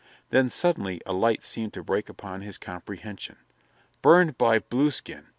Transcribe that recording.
Then suddenly a light seemed to break upon his comprehension. "Burned by Blueskin!"